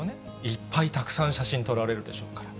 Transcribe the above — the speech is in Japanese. いっぱい、たくさん写真撮られるでしょうから。